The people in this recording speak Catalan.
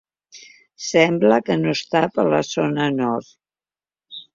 Sembla que no està per la zona nord.